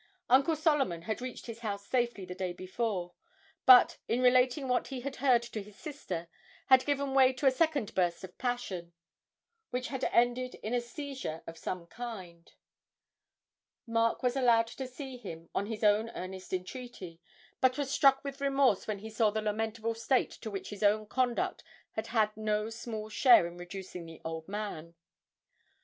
Uncle Solomon had reached his house safely the day before, but, in relating what he had heard to his sister, had given way to a second burst of passion, which had ended in a seizure of some kind. Mark was allowed to see him, on his own earnest entreaty, and was struck with remorse when he saw the lamentable state to which his own conduct had had no small share in reducing the old man.